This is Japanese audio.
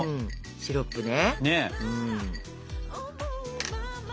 シロップね。